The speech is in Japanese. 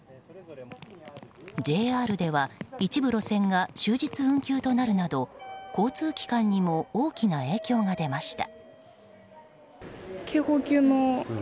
ＪＲでは一部路線が終日運休となるなど交通機関にも大きな影響が出ました。